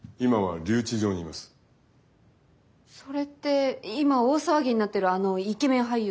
それって今大騒ぎになってるあのイケメン俳優の。